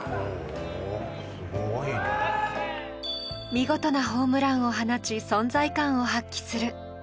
見事なホームランを放ち、存在感を発揮する。